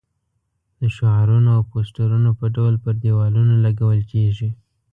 د شعارونو او پوسټرونو په ډول پر دېوالونو لګول کېږي.